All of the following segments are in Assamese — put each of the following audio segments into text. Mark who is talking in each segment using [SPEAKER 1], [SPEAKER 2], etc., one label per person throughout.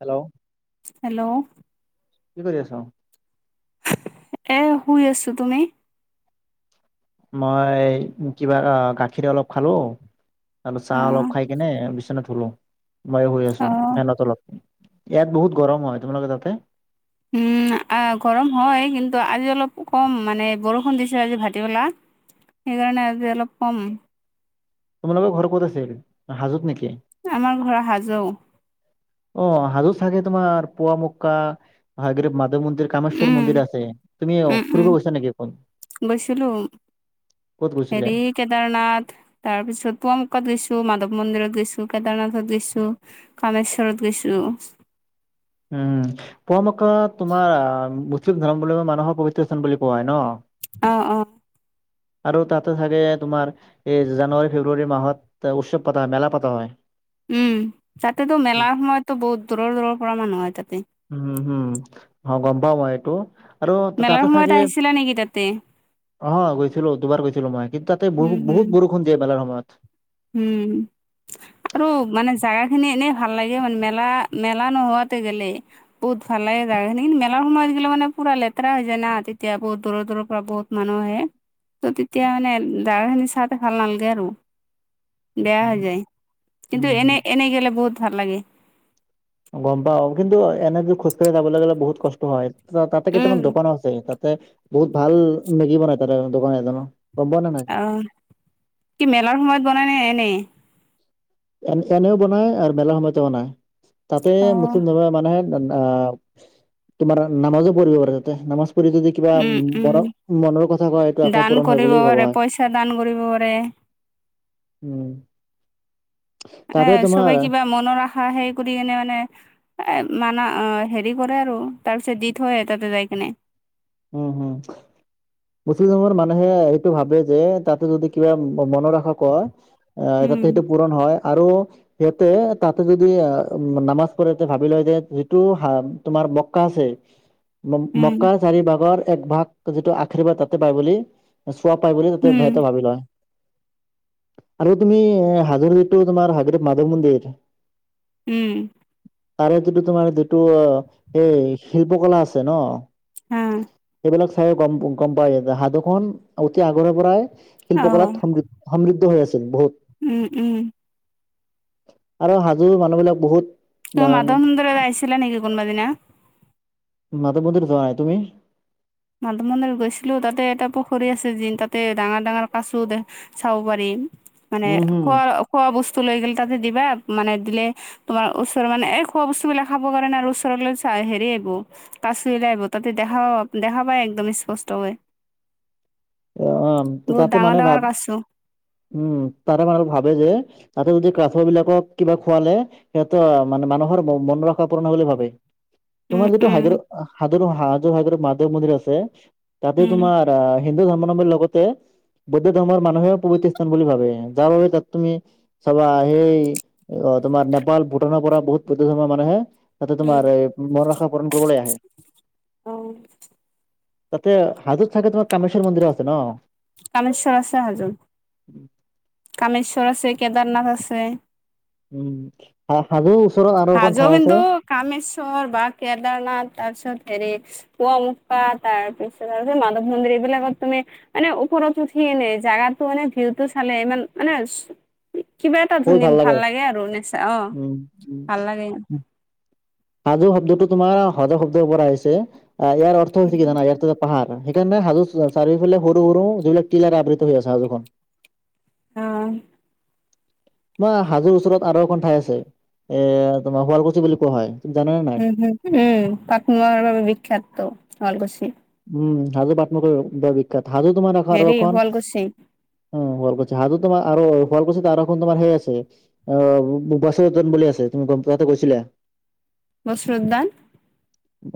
[SPEAKER 1] হেল্ল'
[SPEAKER 2] হেল্ল'
[SPEAKER 1] কি কৰি আছ।
[SPEAKER 2] এ শুই আছো তুমি?
[SPEAKER 1] মই কিবা গাখীৰ অলপ খালোঁ। আৰু
[SPEAKER 2] অ
[SPEAKER 1] চাহ অলপ খাই কেনে বিছনাত শুলো। মইও শুই
[SPEAKER 2] অ
[SPEAKER 1] আছোং ফেনৰ তলত ইয়াত বহুত গৰম হয়, তোমালোকৰ তাতে।
[SPEAKER 2] আ গৰম হয় কিন্তু আজি অলপ কম মানে বৰষুণ দিছে আজি ভাটিবেলা। সেইকাৰণে আজি অলপ কম।
[SPEAKER 1] তোমালোকৰ ঘৰ ক'ত আছিল হাজোত নেকি?
[SPEAKER 2] আমাৰ ঘৰ হাজো।
[SPEAKER 1] অ' হাজো থাকে তোমাৰ পুৱামক্কা, হয়গ্ৰীৱ মাধৱ মন্দিৰ। কামেশ্বৰ
[SPEAKER 2] উম
[SPEAKER 1] মন্দিৰ আছে তুমি ফুৰিব গৈছা নেকি?
[SPEAKER 2] গৈছিলোঁ।
[SPEAKER 1] ক'ত গৈছিলে।
[SPEAKER 2] কেদাৰনাথ তাৰ পিছত পৱামুক্কাত গৈছো মাধৱ মন্দিৰত গৈছো কেদাৰনাথত গৈছো। কামেশ্বৰত গৈছোঁ।
[SPEAKER 1] উম' পোৱামক্কা তোমাৰ মুছলিম ধৰ্ম বুলি মানুহৰ পৱিত্ৰ স্থান বুলি কোৱা হয় ন।
[SPEAKER 2] অ' অ'।
[SPEAKER 1] [unintelligible] আৰু তাতে চাগে তোমাৰ এই জানুৱাৰী, ফেব্ৰুৱাৰী মাহত উৎসৱ পতা হয় মেলা পতা হয়।
[SPEAKER 2] উম' তাতেতো মেলাৰ সময়ততো বহুত দূৰৰ দূৰৰ পৰা মানুহ হয় তাতে।
[SPEAKER 1] উ হো অ গম পাবওঁ মই এইটো আৰু
[SPEAKER 2] মেলাৰ
[SPEAKER 1] তাতে
[SPEAKER 2] সময়ত
[SPEAKER 1] চাগে
[SPEAKER 2] আহিছিলা নেকি তাতে
[SPEAKER 1] অ' গৈছিলো দুবাৰ গৈছিলোঁ কিন মই তাতে বহু
[SPEAKER 2] হম
[SPEAKER 1] বহুত দিয়ে মেলাৰ সময়ত
[SPEAKER 2] উম' আৰু মানে জাগা খিনি এনেই ভাল লাগে। মান মেলা মেলা নোহোৱাতে গেলে। বহুত ভাল লাগে জাগা খিনিৰ। কিন্তু মেলা সময়ত আহ' গলে মানে লেতেৰা হৈ যায় না তেতিয়া বহুত দূৰ দূৰ পৰা বহুত মানুহ আহে ত' তেতিয়া মানে জাগা খিনি চাওতে ভাল নালগে আৰু। বেয়া হৈ যায় কিন্তু
[SPEAKER 1] উম,
[SPEAKER 2] এনে
[SPEAKER 1] হুম,
[SPEAKER 2] এনেই গেলে বহুত ভাল লাগে।
[SPEAKER 1] গম পাও কিন্তু এনেটো খোজকাঢ়ি যাব লাগিলে বহুত কষ্ট হয়। ত তাতে কেইটামান
[SPEAKER 2] উম
[SPEAKER 1] দকানো আছে তাতে বহুত ভাল মেগি বনাই। তাতে দোকান এজনো গম পোৱা নে নাই।
[SPEAKER 2] অহ', কি মেলাৰ সময়ত বনাই নে এনে।
[SPEAKER 1] এ এনেও বনায় আৰু মেলা সময়টো বনাই তাতে
[SPEAKER 2] অ
[SPEAKER 1] মুছলিম ধৰ্মৰ মানুহে মান আ তোমাৰ নামাজো পঢ়িব পাৰে তাতে নামাজ পঢ়ি যদি কিবা
[SPEAKER 2] উম উম
[SPEAKER 1] ধৰক মনৰ কথা কয় সেইটো আশা
[SPEAKER 2] দান
[SPEAKER 1] পূৰণ হয়
[SPEAKER 2] কৰিব
[SPEAKER 1] বুলি ভবা
[SPEAKER 2] পাৰে
[SPEAKER 1] হয়।
[SPEAKER 2] পইচা দান কৰিব পাৰে
[SPEAKER 1] উম
[SPEAKER 2] মানে
[SPEAKER 1] তাতে
[SPEAKER 2] চবে
[SPEAKER 1] তোমাৰ
[SPEAKER 2] কিবা মনৰ আশা সেই কৰি কিনে মানে এ মানা অ হেৰি কৰে আৰু তাৰ পিছত দি থৈ তাতে যাই কিনে
[SPEAKER 1] উম হো। মুছলিম ধৰ্মৰ মানুহে এইটো ভাবে যে তাতে যদি কিবা মনৰ আশা কৰা। আহ'
[SPEAKER 2] উম
[SPEAKER 1] তাতে সেইটো পূৰণ হয় আৰু সিহঁতে তাতে যদি আহ নামাজ পঢ়ে তে ভাবি লয় যে যিটো হা তোমাৰ মক্কা আছে। ম
[SPEAKER 2] উম,
[SPEAKER 1] মক্কাৰ চাৰি ভাগৰ এক ভাগ যিটো আশীৰ্বাদ তাতে পায় বুলি। চোৱা পাই বুলি তাতে
[SPEAKER 2] উম,
[SPEAKER 1] হেতে ভাবি লয়। আৰু তুমি এ হাজৰিটো তোমাৰ হাজৰিত মাধৱ মন্দিৰ
[SPEAKER 2] উম
[SPEAKER 1] তাৰে যিটো তোমাৰ যিটো অ এই শিল্পকলা আছে ন।
[SPEAKER 2] হা
[SPEAKER 1] এইবিলাক চাই গম গম পাই যে সাধুখন অতি আগৰে পৰাই
[SPEAKER 2] অ',
[SPEAKER 1] শিল্পকলাত সমৃধ- সমৃদ্ধ হৈ আছিল বহুত।
[SPEAKER 2] উম উম
[SPEAKER 1] আৰু হাজোৰ মানুহ বিলাক বহুত মান
[SPEAKER 2] মদন্ন্দৰ আয়ছিলে নক কোন পাদ দিনে [unintelligible]
[SPEAKER 1] মাধৱ মন্দিৰ যোৱা নাই। তুমি?
[SPEAKER 2] মাধ মন্দিৰ গৈছিলোঁ তাতে এটা পুখুৰী আছে যিন তাতে ডাঙৰ ডাঙৰ কাচো দেখ চাব পাৰি, মানে
[SPEAKER 1] উম হম
[SPEAKER 2] খোৱাৰ খোৱা বস্তু লৈ গেল তাতে দিবা মানে দিলে তোমাৰ ওচৰৰ মানে এই খোৱা বস্তুবিলাক খাব কাৰনে আৰু ওচৰলে চা হেৰি আহিব। কাছুই লাইব তাতে দেখা পাব দেখা পায় একদম ষ্পষ্টকে
[SPEAKER 1] অ' তাতে মানে ভাবে
[SPEAKER 2] কাছো।
[SPEAKER 1] উম' তাতে মানে ভাবে যে তাতে যদি কাচৰ বিলাকক কিবা খুৱালে সিহঁতৰ মানে মানুহৰ মন মনৰ আশা পূৰন হয় বুলি ভাবে।
[SPEAKER 2] উম,
[SPEAKER 1] তোমাৰ যিটো
[SPEAKER 2] উম,
[SPEAKER 1] হাইগ্ৰ হাদ্ৰো হাজোৰ মাদেৱ মন্দিৰ আছে তাতে
[SPEAKER 2] উম।
[SPEAKER 1] তোমাৰ আহ' হিন্দু ধৰ্মাধৰ্মে লগতে বৌদ্ধ ধৰ্মৰ মানুহেও প্ৰবিত স্থান বুলি ভাবে। যাৰ বাবে তাত তুমি চবা সেই তোমাৰ নেপাল ভূটানৰ পৰা বহুত বুদ্ধ ধৰ্মৰ মানুহে তাতে
[SPEAKER 2] উম,
[SPEAKER 1] তোমাৰ এই মনৰ আশা পূৰণ কৰিবলে আহে
[SPEAKER 2] অ'।
[SPEAKER 1] তাতে হাজোত চাগে তোমাৰ কামেশ্বৰ মন্দিৰো আছে ন'?
[SPEAKER 2] কামেশ্বৰ আছে হাজোত, কামেশ্বৰ আছে, কেদাৰনাথ আছে।
[SPEAKER 1] উম, হা-হাজোৰ ওচৰত আৰু অকণ
[SPEAKER 2] হাজো
[SPEAKER 1] ঠাই
[SPEAKER 2] কিন্তু
[SPEAKER 1] আছে।
[SPEAKER 2] কামেশ্বৰ বা কেদাৰনাথ তাৰপিছত হেৰি পোৱামোক্কা তাৰপিছত আৰু যে মাধৱ মন্দিৰ এইবিলাকত তুমি মানে ওপৰত উঠি এনে জাগাটো মানে ভিউটো চালে ইমান মানেচ কিবা এটা ধুনীয়া ভাল লাগে আৰু নেচা অ'
[SPEAKER 1] উম।
[SPEAKER 2] ভাল
[SPEAKER 1] উম।
[SPEAKER 2] লাগে।
[SPEAKER 1] হাজো শব্দটো তোমাৰ হদ শব্দৰ পৰা আহিছে আ, ইয়াৰ অৰ্থ হৈছে কি জানা ইয়াৰ টো পাহাৰ সেইকাৰণে হাজো চাৰিওফালে সৰু, সৰু যিবিলাক টিলাৰ আবৃত হৈ আছে হাজুখন।
[SPEAKER 2] অ',
[SPEAKER 1] তোমাৰ হাজোৰ ওচৰত আৰু এখন ঠাই আছে এ তোমাৰ শুৱালকুছি বুলি কোৱা হয় তুমি জানা নে না
[SPEAKER 2] সেইপিনে পাট, মুৱাৰ বাবে বিখ্যাত টো শুৱালকুছি।
[SPEAKER 1] উম, হাজো পাত-মূগাৰ বাবে বিখ্যাত হাজো তোমাৰ [unintelligible] আৰু
[SPEAKER 2] হেৰি
[SPEAKER 1] এখন
[SPEAKER 2] শুৱালকুছি
[SPEAKER 1] উম, শুৱালকুচি হাজো তোমাৰ আৰু শুৱালকুচিত আৰু এখন তোমাৰ সেই আছে অ' [unintelligible] বুলি আছে তুমি গম পোৱাতে গৈছিলা?
[SPEAKER 2] বস্ত্ৰ উদ্যান?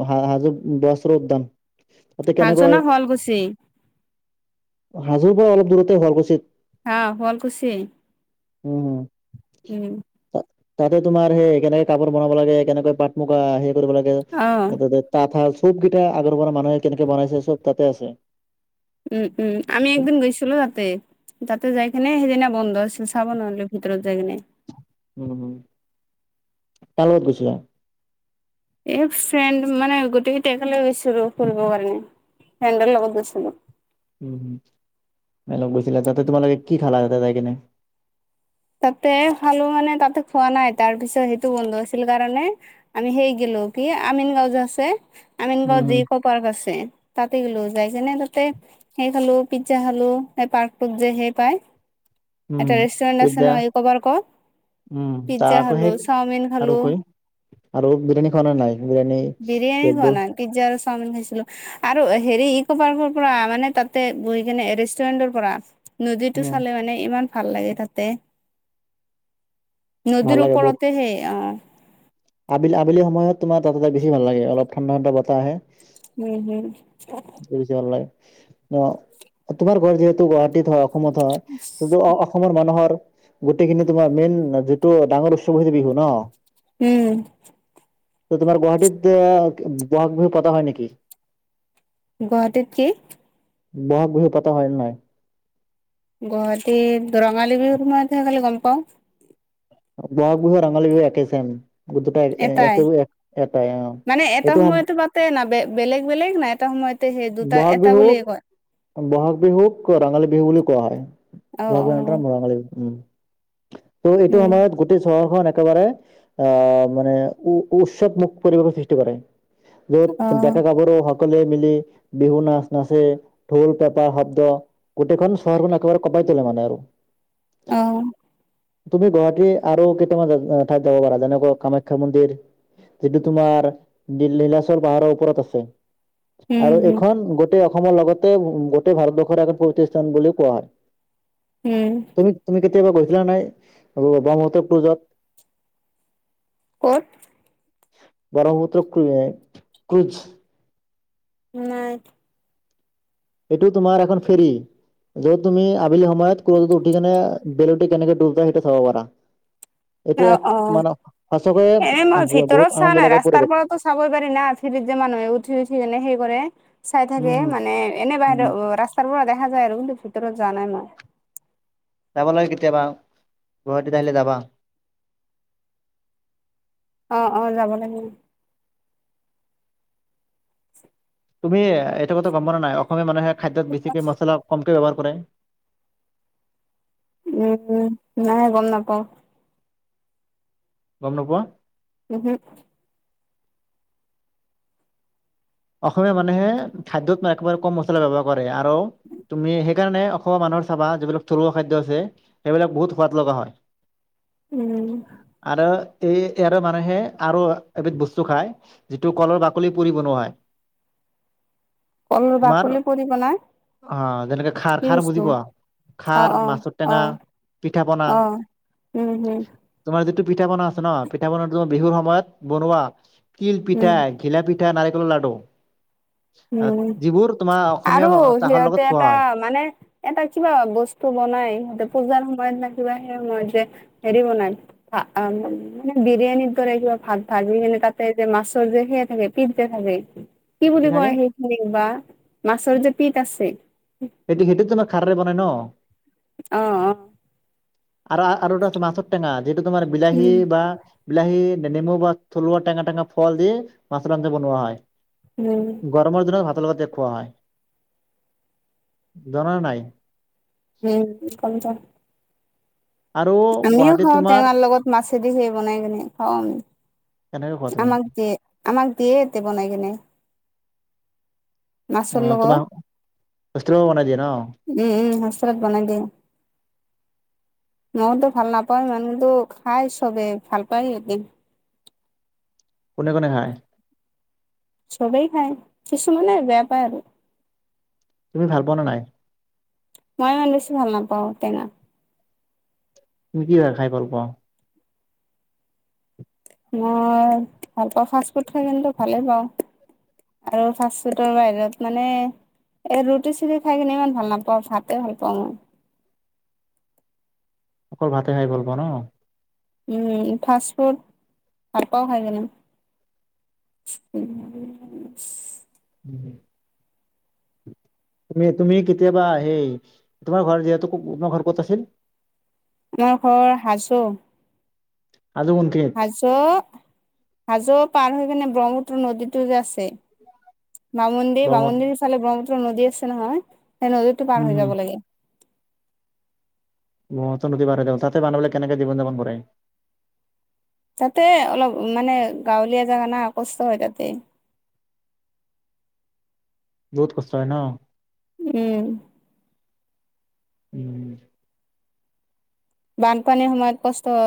[SPEAKER 1] অ' হা-হাজোত বস্ৰ উদ্যান। তাতে
[SPEAKER 2] হাজো
[SPEAKER 1] কেনেকৈ
[SPEAKER 2] না শুৱালকুছি
[SPEAKER 1] হাজোৰ পৰা অলপ দূৰতে শুৱালকুছিত।
[SPEAKER 2] আ, শুৱালকুছিয়েই
[SPEAKER 1] উম
[SPEAKER 2] উম।
[SPEAKER 1] তাতে তোমাৰ সেই কেনেকে কাপোৰ বনাব লাগে কেনেকৈ পাট-মুগা সেই কৰিব লাগে
[SPEAKER 2] অ
[SPEAKER 1] এতে তাত তাঁতশাল চবকেইটা আগৰ পৰা মানুহে কেনেকে বনাইছে চব তাতে আছে।
[SPEAKER 2] উম, উম আমি একদিন গৈছিলোঁ তাতে, তাতে যাইকেনে সেইদিনা বন্ধ আছিল চাব নোৱাৰিলোঁ ভিতৰত যায় কিনে।
[SPEAKER 1] উম, কাৰ লগত গৈছিলা?
[SPEAKER 2] এ ফ্ৰেণ্ড মানে গোটেইকেইটা একেলগে গৈছিলোঁ ফুৰব কাৰণে ফ্ৰেণ্ডৰ লগত গৈছিলোঁ।
[SPEAKER 1] উম, [unintelligible] গৈছিলা তাতে তোমালোকে কি খালা তাতে যাই কিনে?
[SPEAKER 2] তাতে খালোঁ মানে তাতে খোৱা নাই তাৰ পিছত সেইটো বন্ধ আছিল কাৰণে আমি সেই গেলো কি আমিন গাঁও যে আছে আমিন গাঁও
[SPEAKER 1] উম
[SPEAKER 2] যি
[SPEAKER 1] হম
[SPEAKER 2] কপ পাৰ্ক আছে তাতে গেলু যাই যেনে তাতে সেই খালো পিজ্জা খালোঁ সেই পাৰ্ক টোত যে সেই পাই।
[SPEAKER 1] উম,
[SPEAKER 2] এটা ৰেষ্টুৰেন্ট আছে
[SPEAKER 1] পিজ্জা
[SPEAKER 2] নহয় ইক' পাৰ্কত।
[SPEAKER 1] উম, তাৰ
[SPEAKER 2] পিজ্জা
[SPEAKER 1] আকৌ
[SPEAKER 2] খালো
[SPEAKER 1] সেই
[SPEAKER 2] চাওমিন
[SPEAKER 1] আৰু
[SPEAKER 2] খালো
[SPEAKER 1] কৈ আৰু বিৰিয়ানী খোৱা নে নাই বিৰিয়ানী?
[SPEAKER 2] বিৰিয়ানী
[SPEAKER 1] ৰেড
[SPEAKER 2] খোৱা
[SPEAKER 1] বুল
[SPEAKER 2] নাই পিজ্জা আৰু চাওমিন খাইছিলোঁ। আৰু হেৰী ইকো পাৰ্কৰ পৰা মানে তাতে বহি কেনে এ ৰেষ্টুৰেন্টৰ পৰা নদীটো
[SPEAKER 1] উম
[SPEAKER 2] চালে মানে ইমান ভাল লাগে তাতে।
[SPEAKER 1] ভাল
[SPEAKER 2] নদীৰ
[SPEAKER 1] লাগে বহুত
[SPEAKER 2] ওপৰতে সেই আ।
[SPEAKER 1] আবেলি, আবেলি সময়ত তোমাৰ তাতে যাই বেছি ভাল লাগে অলপ ঠাণ্ডা, ঠাণ্ডা বতাহ আহে।
[SPEAKER 2] উম, হুম।
[SPEAKER 1] [unintelligible] অ' অ'তোমাৰ ঘৰ যিহেতু গুৱাহাটীত হয় অসমত হয় [unintelligible] অসমৰ মানুহৰ গোটেইখিনি তোমাৰ মেইন যিটো ডাঙৰ উৎছৱ হৈছে বিহু ন'?
[SPEAKER 2] উম,
[SPEAKER 1] তে তোমাৰ গুৱাহাটীতে [unintelligible] ব'হাগ বিহু পাতা হয় নেকি?
[SPEAKER 2] গুৱাহাটীত কি?
[SPEAKER 1] ব'হাগ বিহু পাতা হয় নে নাই?
[SPEAKER 2] গুৱাহাটীত ৰঙালী বিহুৰ সময়তহে খালি গম পাওঁ।
[SPEAKER 1] বহাগ বিহু ৰঙালী বিহু একে চেম দুটা এ
[SPEAKER 2] এটাই
[SPEAKER 1] একে এটাই অহ এইটো আম
[SPEAKER 2] তে নবে বেলেগ বেলেগ নাই এটা সময়তে সেই দুটা
[SPEAKER 1] বহাগ
[SPEAKER 2] এটা
[SPEAKER 1] বিহুক
[SPEAKER 2] বুলিয়ে কয়
[SPEAKER 1] বহাগ বিহুওক ক ৰঙালী বিহু বুলিও কোৱা হয়
[SPEAKER 2] অ
[SPEAKER 1] বহাগ
[SPEAKER 2] অ
[SPEAKER 1] বিহু ৰঙালী বিহু উম ত' এইটো
[SPEAKER 2] উম
[SPEAKER 1] আমাৰ গোট টো চহৰখন একেবাৰে আহ মানে উ উৎসৱ মুুখ পৰিৱেশৰ সৃষ্টি কৰে
[SPEAKER 2] অ
[SPEAKER 1] যত ডেকা গাভৰু সকলে মিলি বিহু নাচ নাচে ঢোল পেপাৰ শব্দ গোটেইখন চহৰখন একেবাৰে কপাই তোলে মানে আৰু
[SPEAKER 2] অ
[SPEAKER 1] তুমি গুৱাহাটী আৰু কেইটামান আ ঠাইত যাব পাৰা যেনেকে কামাখ্যা মন্দিৰ যিটো তোমাৰ নী নীলাচৰ পাহাৰৰ ওপৰত আছে
[SPEAKER 2] উম
[SPEAKER 1] আৰু
[SPEAKER 2] হম
[SPEAKER 1] এইখন গোট টেই অসমৰ লগতে গোটেই ভাৰতবৰ্ষৰ এখন প্ৰতিষ্ঠান বুলিও কোৱা হয়
[SPEAKER 2] উম
[SPEAKER 1] তুমি তুমি কেতিয়াবা গৈছিলা নাই ব ব্ৰহ্মপুত্ৰ পুজত
[SPEAKER 2] কত
[SPEAKER 1] [unintelligible]
[SPEAKER 2] নাই
[SPEAKER 1] এইটো তোমাৰ এখন ফেৰী যত তুমি আবেলি সময়ত কৰ উটি কেনে বেলি কেনেকে ডুব যায় সেইটো চাব পাৰা এইটো
[SPEAKER 2] অ
[SPEAKER 1] এক
[SPEAKER 2] অ
[SPEAKER 1] মানে সঁচাকৈয়ে
[SPEAKER 2] এনে মই
[SPEAKER 1] এ বহুত
[SPEAKER 2] ভিতৰত চোৱা
[SPEAKER 1] আনন্দ
[SPEAKER 2] নাই
[SPEAKER 1] লগা
[SPEAKER 2] ৰাস্তাৰ
[SPEAKER 1] পৰিৱেশ
[SPEAKER 2] পৰাতো চাবই পাৰি না ফেৰিত যে মানুহে উঠি উঠি যেনে সেই কৰে চাই
[SPEAKER 1] উম,
[SPEAKER 2] থাকে
[SPEAKER 1] হম,
[SPEAKER 2] মানে এনে বাহিৰ অ
[SPEAKER 1] উম।
[SPEAKER 2] ৰাস্তাৰ পৰা দেখা যায় আৰু কিন্তু ভিতৰত যোৱা নাই মই
[SPEAKER 1] যাব লাগে কেতিয়াবা গুৱাহাটীত আহিলে যাবা
[SPEAKER 2] অ অ যাব লাগিব
[SPEAKER 1] তুমি এ এইটো কথা গম পোৱা নে নাই অসমীয়া মানুহে খাদ্যত বেছিকে মছলা কমকৈ ব্যৱহাৰ কৰে
[SPEAKER 2] উম নাই গম নাপাও
[SPEAKER 1] গম নোপোৱা
[SPEAKER 2] উহু
[SPEAKER 1] অসমীয়া মানুহে খাদ্যত নাই একেবাৰে কম মচলা ব্যৱহাৰ কৰে আৰু তুমি সেইকাৰণে অসমৰ মানুহৰ চাবা যিবিলাক থলুৱা খাদ্য আছে সেইবিলাক বহুত সোৱাদ লগা হয় [unintelligible]
[SPEAKER 2] উম
[SPEAKER 1] আৰু এই ইয়াৰে মানুহে আৰু এবিধ বস্তু খায় যিটো কলৰ বাকলি পুৰি বনোৱাই
[SPEAKER 2] কল
[SPEAKER 1] তোমাৰ
[SPEAKER 2] বাকলি পুৰি বনাই
[SPEAKER 1] অ যেনেকে খাৰ
[SPEAKER 2] কি
[SPEAKER 1] খাৰ বুজি
[SPEAKER 2] বস্তু
[SPEAKER 1] পোৱা
[SPEAKER 2] অ
[SPEAKER 1] খাৰ
[SPEAKER 2] অ
[SPEAKER 1] মাছৰ
[SPEAKER 2] অহ
[SPEAKER 1] টেঙা পিঠা পনা
[SPEAKER 2] অহ উম হু
[SPEAKER 1] তোমাৰ যিটো পিঠা পনা আছে ন পিঠা পনা তোমাৰ বিহুৰ সময়ত বনোৱা তিল
[SPEAKER 2] উম
[SPEAKER 1] পিঠাই ঘিলাপিঠা নাৰিকলৰ লাডু
[SPEAKER 2] উম
[SPEAKER 1] যিবোৰ তোমাৰ অসমীয়া
[SPEAKER 2] আৰু
[SPEAKER 1] চাহৰ লগত
[SPEAKER 2] সিহঁতে
[SPEAKER 1] খোৱা
[SPEAKER 2] এটা
[SPEAKER 1] হয়
[SPEAKER 2] মানে এটা কিবা বস্তু বনাই সিহঁতে পূজাৰ সময়ত ন কিবা সেই সময়ত যে হেৰি বনাই হা আম মানে বিৰিয়ানীৰ দৰে কিবা ভাত ভাজি কিনে তাতে যে মাছৰ যে মাছৰ যে সেইয়া পিট যে থাকে
[SPEAKER 1] [unintelligible]
[SPEAKER 2] খোৱা সেইখিনি বা মাছৰ যে পিত আছে
[SPEAKER 1] এইটো সেইটো তোমাৰ খাৰে বনাই ন
[SPEAKER 2] অ অ
[SPEAKER 1] আৰু আৰু এটা আছে মাছৰ টেঙা যিটো তোমাৰ বিলাহী
[SPEAKER 2] উম
[SPEAKER 1] বা বিলাহী নেমু বা থলুৱা টেঙা টেঙা ফল দি মাছৰ আন্নজা বনোৱা হয়
[SPEAKER 2] উম
[SPEAKER 1] গৰমৰ দিনত ভাত লগতে খোৱা হয় জানা নে নাই।
[SPEAKER 2] উম [unintelligible]
[SPEAKER 1] আৰু
[SPEAKER 2] আমিও
[SPEAKER 1] গুৱাহাটীত
[SPEAKER 2] খাওঁ
[SPEAKER 1] তোমাৰ
[SPEAKER 2] টেঙাৰ লগত মাছেদি সেই বনাই কিনে খাওঁ আমি।
[SPEAKER 1] কেনেকৈ কোৱা তুমি।
[SPEAKER 2] আমাক দিয়ে আমাক দিয়ে এতে বনাই কিনে। মাছৰ
[SPEAKER 1] অঁ তোমাৰ
[SPEAKER 2] লগত
[SPEAKER 1] ইন্টাৰগ্ৰামত বনাই দিয়ে ন
[SPEAKER 2] উম উম হোইচটেলত বনাই দিয়ে মইতো ভাল নাপায় ইমানটো খাই চবে ভাল পায় এহেতি।
[SPEAKER 1] কোনে কোনে খায়।
[SPEAKER 2] চবেই খায় কিছুমানে বেয়া পাই আৰু
[SPEAKER 1] তুমি ভাল পোৱা ন নাই!
[SPEAKER 2] মই ইমান বেছি ভাল নাপাওঁ টেঙা।
[SPEAKER 1] তুমি কি বা খাই ভাল পাওঁ।
[SPEAKER 2] মই ভাল পাওঁ ফাষ্ট ফুড খাই কিন্তু ভালেই পাওঁ। আৰু ফাষ্টফুডৰ বাহিৰত মানে। এই ৰুটি চুটি খাই কিনে ইমান ভাল নাপাওঁ ভাতে ভাল পাওঁ মই।
[SPEAKER 1] অকল ভাতে খাই ভাল পাওঁ ন
[SPEAKER 2] উম ফাষ্ট ফুড ভাল পাওঁ খাই কেনে উম।
[SPEAKER 1] হুম হ তুমি তুমি কেতিয়াবা সেই তোমাৰ ঘৰ যিহেতু তোমাৰ ঘৰ ক'ত আছিল
[SPEAKER 2] আমাৰ ঘৰ হাজো
[SPEAKER 1] হাজো কোনখিনিত
[SPEAKER 2] হাজো হাজো পাৰ হৈ কিনে ব্ৰহ্মপুত্ৰ নদীতো যে আছে। বামুণন্দিৰ
[SPEAKER 1] ব্ৰহ্মত
[SPEAKER 2] বামুণন্দিৰ ফালে ব্ৰহ্মপুত্ৰ নদী আছে নহয় সেই নদীতো পাৰ হৈ
[SPEAKER 1] উম
[SPEAKER 2] যাব লাগে।
[SPEAKER 1] ব্ৰহ্মপুত্ৰ নদী পাৰত তাতে মানুহবিলাকে কেনেকে জীন যাপন কৰে
[SPEAKER 2] তাতে অলপ মানে গাঁৱলীয়া জেগা না আ কষ্ট হয় তাতে।
[SPEAKER 1] বহুত কষ্ট হয় ন।
[SPEAKER 2] উম।
[SPEAKER 1] উম
[SPEAKER 2] বানপানীৰ সময়ত কষ্ট হয়